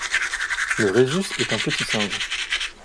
Le rhésus est un petit singe